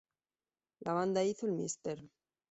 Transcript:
La banda hizo el "Mr.